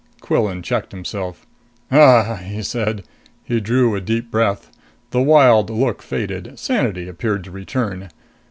Quillan checked himself. "Uh!" he said. He drew a deep breath. The wild look faded. Sanity appeared to return.